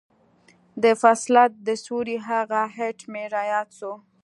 د فصلت د سورې هغه ايت مې راياد سو.